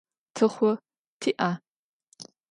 Txhu ti'a?